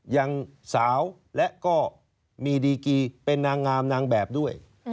ยังสาวและก็มีดีกีเป็นนางงามนางแบบด้วย